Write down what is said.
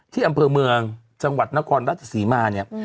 ที่อำเภอเมืองจังหวัดนครราชศรีมาเนี่ย